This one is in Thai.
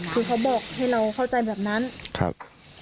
คือเขาบอกให้เราเข้าใจแบบนั้นครับ